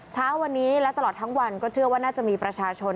เช้าวันนี้และตลอดทั้งวันก็เชื่อว่าน่าจะมีประชาชน